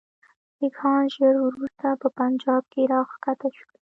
سیکهان ژر وروسته په پنجاب کې را کښته شول.